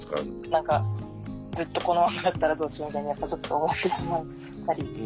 何かずっとこのまんまだったらどうしようみたいにやっぱちょっと思ってしまったり。